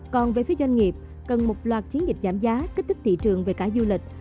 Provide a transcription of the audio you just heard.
còn về phía doanh nghiệp cần một loạt chiến dịch giảm giá kích thích thị trường về cả du lịch